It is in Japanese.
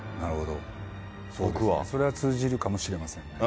それは通じるかもしれませんね。